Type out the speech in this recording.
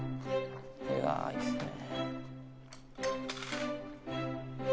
うわいいっすね。